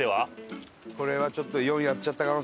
これはちょっと４やっちゃった可能性あるよ。